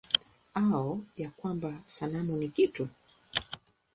Au ya kwamba sanamu ni kitu?